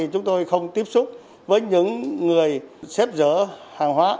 chúng tôi không tiếp xúc với những người xếp dỡ hàng hóa